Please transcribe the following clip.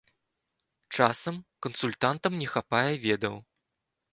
Часам кансультантам не хапае ведаў.